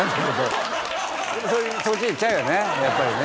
そっちいっちゃうよねやっぱりね。